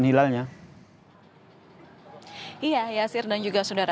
nah saya juga mau ajak nih kak ngasib untuk memantau dan juga pemirsa kompas tv ya